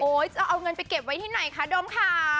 โอ๊ยเอาเงินไปเก็บไว้ให้หน่อยคะดมค่า